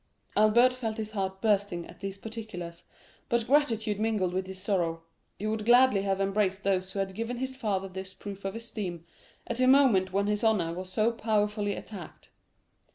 Albert felt his heart bursting at these particulars, but gratitude mingled with his sorrow: he would gladly have embraced those who had given his father this proof of esteem at a moment when his honor was so powerfully attacked.